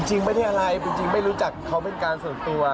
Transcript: จริงไม่ได้อะไรจริงไม่รู้จักเขาเป็นการส่วนตัว